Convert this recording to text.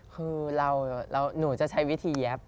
คือหนูจะใช้วิธีเย็บ